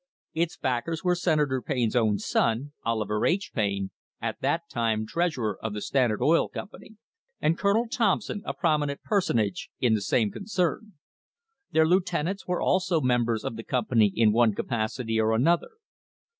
Its backers were Senator Payne's own son, Oliver H. Payne, at that time treas urer of the Standard Oil Company, and Colonel Thompson, THE HISTORY OF THE STANDARD OIL COMPANY a prominent personage in the same concern. Their lieuten ants were also members of the company in one capacity or another.